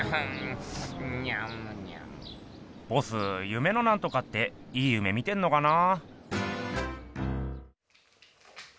夢のなんとかっていい夢見てんのかな？